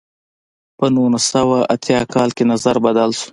په نولس سوه اتیا کال کې نظر بدل شو.